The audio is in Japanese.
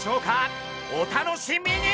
お楽しみに！